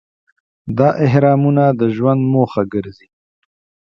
دا اهرامونه د ژوند موخه ګرځي.